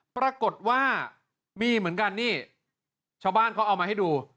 ปรากฏว่ามีเหมือนกันนี่ชาวบ้านเขาเอามาให้ดู